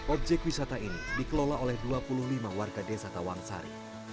objek wisata ini dikelola oleh dua puluh lima warga desa tawangsari